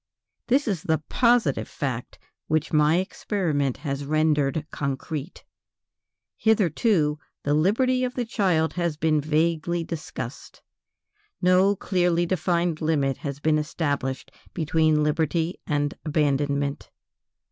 This is the positive fact which my experiment has rendered concrete. Hitherto the liberty of the child has been vaguely discussed; no clearly defined limit has been established between liberty and abandonment.